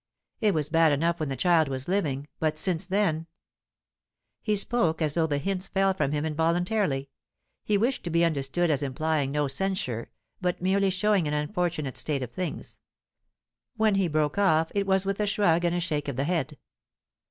It was bad enough when the child was living, but since then " He spoke as though the hints fell from him involuntarily; he wished to be understood as implying no censure, but merely showing an unfortunate state of things. When he broke off, it was with a shrug and a shake of the head.